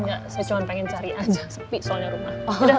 enggak saya cuma pengen cari aja sepi soalnya rumah